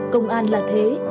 công an là thế